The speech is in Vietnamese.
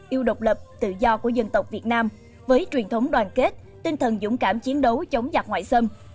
yêu độc lập tự do của dân tộc việt nam với truyền thống đoàn kết tinh thần dũng cảm chiến đấu chống giặc ngoại xâm